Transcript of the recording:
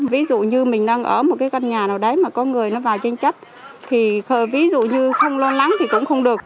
ví dụ như mình đang ở một cái căn nhà nào đấy mà có người nó vào tranh chấp thì ví dụ như không lo lắng thì cũng không được